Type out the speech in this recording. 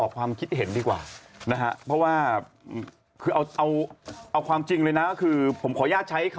๒๐กว่าขึ้นไปขึ้นไป